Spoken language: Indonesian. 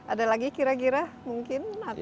ada lagi kira kira mungkin